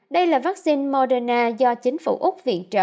đây là vaccine moderna do chính phủ úc